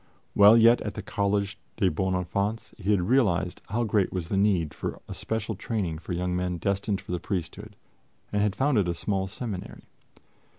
While yet at the Collège des Bons Enfants, he had realized how great was the need of a special training for young men destined for the priesthood and had founded a small seminary.